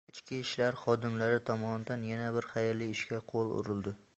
Ichki ishlar xodimlari tomonidan yana bir xayrli ishga qo‘l urildi